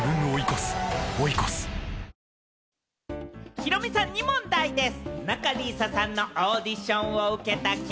ヒロミさんに問題です。